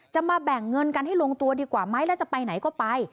มาแบ่งเงินกันให้ลงตัวดีกว่าไหมแล้วจะไปไหนก็ไป